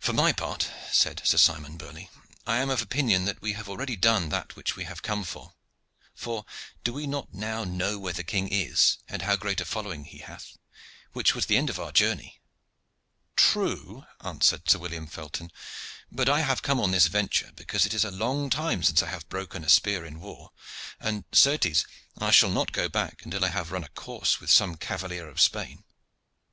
"For my part," said Sir Simon Burley, "I am of opinion that we have already done that which we have come for. For do we not now know where the king is, and how great a following he hath, which was the end of our journey." "True," answered Sir William Felton, "but I have come on this venture because it is a long time since I have broken a spear in war, and, certes, I shall not go back until I have run a course with some cavalier of Spain.